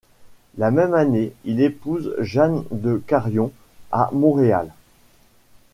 La même année, il épouse Jeanne de Carion à Montréal.